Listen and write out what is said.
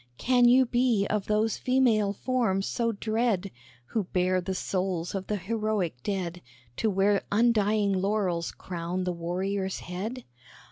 Can you be of those female forms so dread, Who bear the souls of the heroic dead To where undying laurels crown the warrior's head?